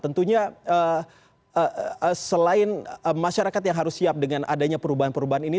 tentunya selain masyarakat yang harus siap dengan adanya perubahan perubahan ini